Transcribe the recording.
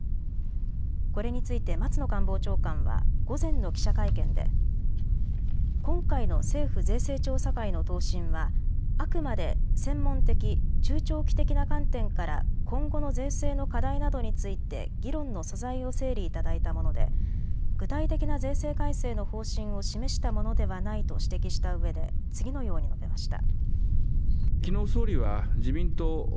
これについて松野官房長官は午前の記者会見で今回の政府税制調査会の答申はあくまで専門的、中長期的な観点から今後の税制の課題などについて議論の素材を整理いただいたもので具体的な税制改正の方針を示したものではないと指摘したうえで次のように述べました。